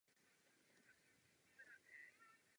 Jsme blízko toho, abychom jim dokázali, že opět neměli pravdu.